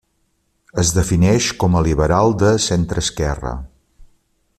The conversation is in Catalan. Es defineix com a liberal de centreesquerra.